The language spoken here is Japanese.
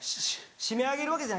絞め上げるわけじゃないです。